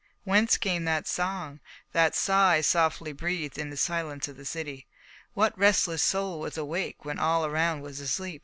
Whence came that song, that sigh softly breathed in the silence of the city? What restless soul was awake when all around was asleep?